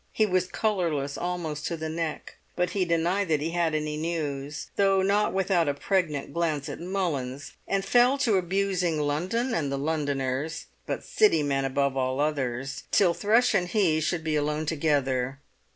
He was colourless almost to the neck, but he denied that he had any news, though not without a pregnant glance at Mullins, and fell to abusing London and the Londoners, but City men above all others, till Thrush and he should be alone together.